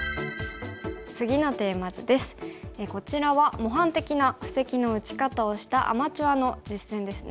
こちらは模範的な布石の打ち方をしたアマチュアの実戦ですね。